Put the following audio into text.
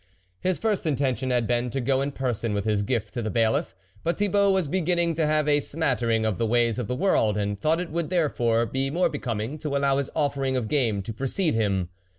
His first intention had been to go in person with his gift to the Bailiff; but Thibault was beginning to have a smat tering of the ways of the world, and thought it would, therefore, be more be coming to allow his offering of game to precede him.